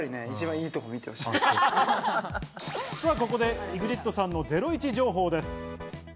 ここでＥＸＩＴさんのゼロイチ情報です。